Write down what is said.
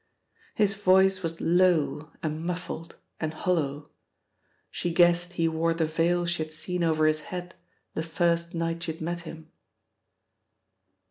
His voice was low and muffled and hollow; she guessed he wore the veil she had seen over his head the first night she had met him.